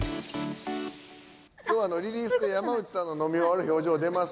きょうはリリースで、山内さんの飲み終わる表情出ます